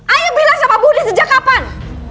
ayo bilang sama budi sejak kapan